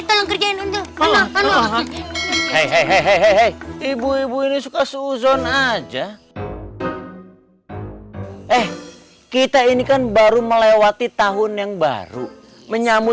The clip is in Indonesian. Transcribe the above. hai hehehe ibu ibu ini suka suzon aja eh kita ini kan baru melewati tahun yang baru menyamu